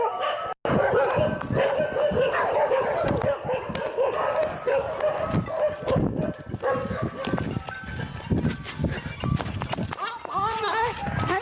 หลวงพี่จีวอนปริวฮะจะไม่ปริวได้ไงอยู่ใดมีใครก็ไม่รู้